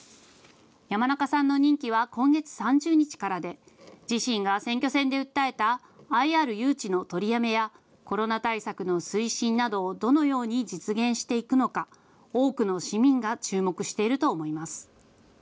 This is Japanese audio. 山中さんの任期は今月３０日からで自身が選挙戦で訴えたＩＲ誘致の取りやめや、コロナ対策の推進などをどのように実現していくのか多くの市民が注目していると思います。